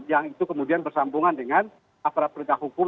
yang itu kemudian bersambungan dengan aparat perintah hukum